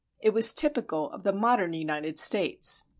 It was typical of the modern United States.